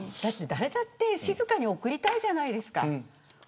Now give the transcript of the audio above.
誰だって静かに送りたいじゃないですか。